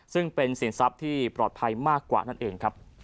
ซึ่งเป็นสินทรัพย์ที่ปลอดภัยมากกว่านั่นเองครับ